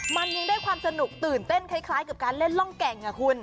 มันยังได้ความสนุกตื่นเต้นคล้ายกับการเล่นร่องแก่งคุณ